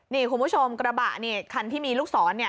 นี่คุณผู้ชมกระบะนี่คันที่มีลูกศรเนี่ย